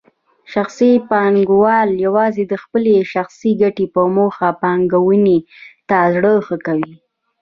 شخصي پانګوال یوازې د خپلې شخصي ګټې په موخه پانګونې ته زړه ښه کوي.